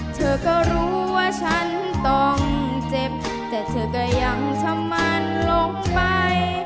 เธอก็รู้ว่าฉันต้องเจ็บแต่เธอก็ยังชะมันลงไป